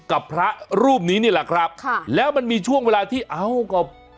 กับพระรูปนี้นี่แหละครับค่ะแล้วมันมีช่วงเวลาที่เอากับ